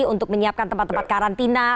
untuk menyiapkan tempat tempat karantina